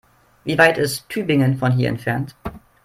Wie weit ist Tübingen von hier entfernt?